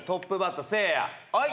はい。